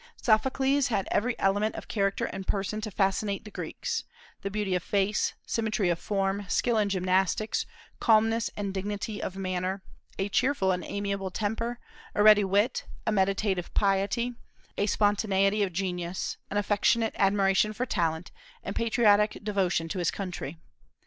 Sophocles had every element of character and person to fascinate the Greeks, beauty of face, symmetry of form, skill in gymnastics, calmness and dignity of manner, a cheerful and amiable temper, a ready wit, a meditative piety, a spontaneity of genius, an affectionate admiration for talent, and patriotic devotion to his country.